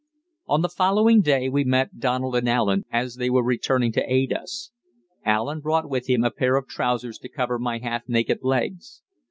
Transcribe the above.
On the following day we met Donald and Allen as they were returning to aid us. Allen brought with him a pair of trousers to cover my half naked legs.